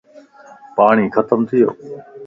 پاٽي ختم ٿي ويو.